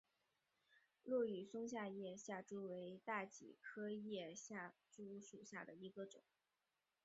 落羽松叶下珠为大戟科叶下珠属下的一个种。